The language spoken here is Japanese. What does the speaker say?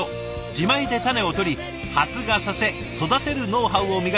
自前で種をとり発芽させ育てるノウハウを磨き